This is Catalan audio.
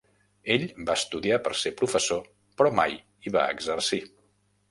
Ell va estudiar per ser professor però mai hi va exercir.